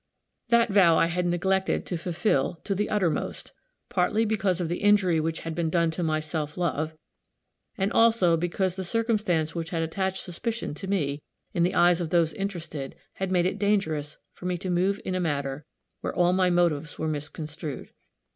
That vow I had neglected to fulfill to the uttermost, partly because of the injury which had been done to my self love, and also because the circumstance which had attached suspicion to me, in the eyes of those interested, had made it dangerous for me to move in a matter where all my motives were misconstrued.